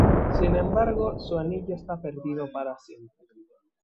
Sin embargo, su anillo está perdido para siempre.